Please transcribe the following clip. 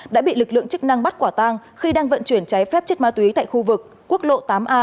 đã bị lực lượng chức năng bắt quả tang khi đang vận chuyển cháy phép chất ma túy tại khu vực quốc lộ tám a